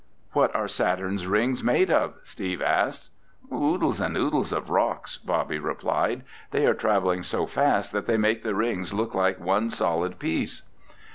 "What are Saturn's rings made of?" Steve asked. "Oodles and oodles of rocks," Bobby replied. "They are traveling so fast that they make the rings look like one solid piece."